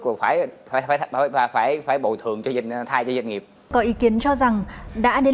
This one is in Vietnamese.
của phải phải phải phải phải bầu thường cho dân thay cho doanh nghiệp có ý kiến cho rằng đã đến